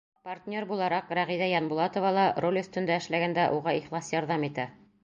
Партнер булараҡ Рәғиҙә Янбулатова ла роль өҫтөндә эшләгәндә уға ихлас ярҙам итә.